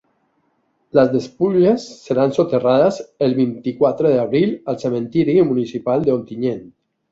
Les despulles seran soterrades el vint-i-quatre d’abril al cementeri municipal d’Ontinyent.